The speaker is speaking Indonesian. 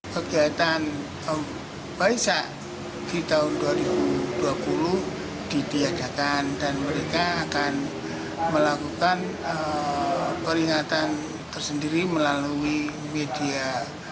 kegiatan waisak di tahun dua ribu dua puluh ditiadakan dan mereka akan melakukan peringatan tersendiri melalui media